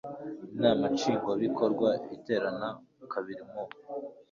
inama nshingwabikorwa iterana kabiri mu